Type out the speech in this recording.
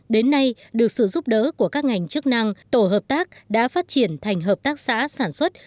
đến nay được sự giúp đỡ của các ngành chức năng tổ hợp tác đã phát triển thành hợp tác xã sản xuất